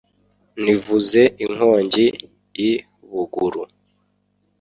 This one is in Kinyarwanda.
nvuze inkongi i buguru